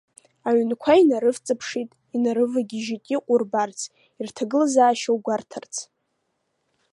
Аҩынқәа инарывҵаԥшит, инарывагьыжьит иҟоу рбарц, ирҭагылазаашьоу гәарҭарц.